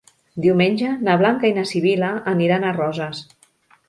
Diumenge na Blanca i na Sibil·la aniran a Roses.